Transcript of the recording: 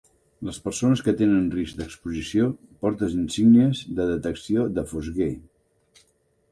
Les persones que tenen risc d"exposició porten insígnies de detecció de fosgè.